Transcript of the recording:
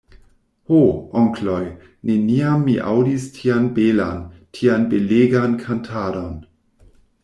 Ho, onkloj, neniam mi aŭdis tian belan, tian belegan kantadon.